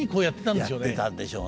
やってたんでしょうね。